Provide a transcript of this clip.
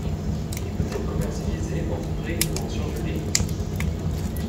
Il peut être commercialisé en frais ou en surgelés.